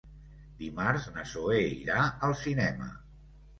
Dimarts na Zoè irà al cinema.